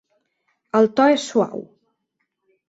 El to és suau.